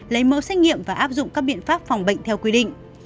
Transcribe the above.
lấy mẫu xét nghiệm và áp dụng các biện pháp phòng bệnh theo quy định